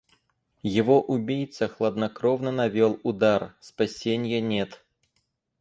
Его убийца хладнокровно навёл удар... спасенья нет.